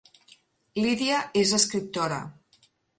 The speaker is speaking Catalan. Lídia és escriptora